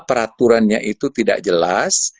peraturannya itu tidak jelas